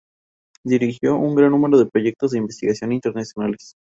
Dirigió un gran número de proyectos de investigación internacionales.